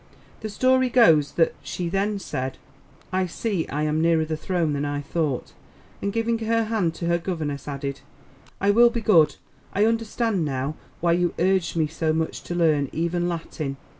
The story goes that she then said, "I see, I am nearer the throne than I thought," and giving her hand to her governess added: "I will be good. I understand now, why you urged me so much to learn, even Latin.